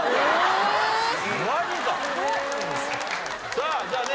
さあじゃあね